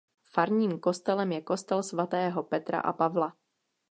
Farním kostelem je kostel svatého Petra a Pavla.